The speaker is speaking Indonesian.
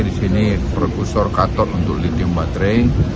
di sini perkusur kato untuk lithium baterai